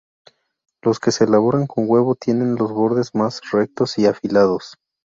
Los que se elaboran con huevo tienen los bordes más rectos y afilados.